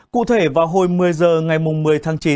cụ thể vào hồi một mươi h ngày một mươi tháng chín